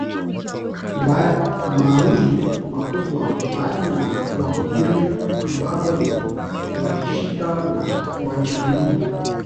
mawili makubwa mbali na Wakurya ambayo ni Wajita na Wajaluo